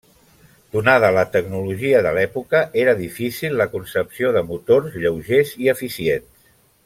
Donada la tecnologia de l'època, era difícil la concepció de motors lleugers i eficients.